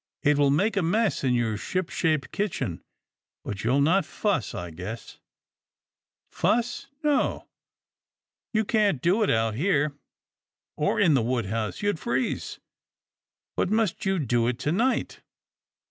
It will make a mess in your ship shape kitchen, but you'll not fuss, I guess." " Fuss, no — you can't do it out here, or in the wood house — you'd freeze. But must you do it to night?"